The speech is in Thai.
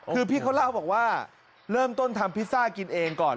คือพี่เขาเล่าบอกว่าเริ่มต้นทำพิซซ่ากินเองก่อน